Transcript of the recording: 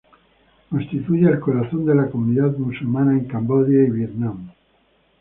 Constituyen el corazón de la comunidad musulmana en Camboya y Vietnam.